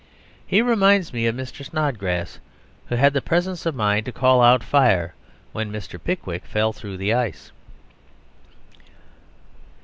He reminds me of Mr. Snodgrass, who had the presence of mind to call out "Fire!" when Mr. Pickwick fell through the ice.